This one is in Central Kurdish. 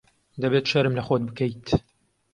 دەبێت شەرم لە خۆت بکەیت.